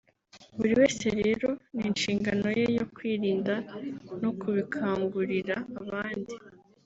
buri wese rero ni inshingano ye yo kwirinda no kubikangurira abandi